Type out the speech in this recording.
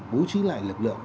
bố trí lại lực lượng